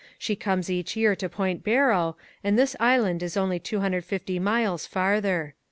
She comes each year to Point Barrow, and this island is only 250 miles farther.